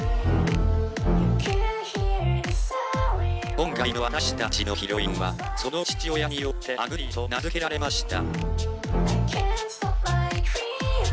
「今回の私たちのヒロインはその父親によって『あぐり』と名付けられました」。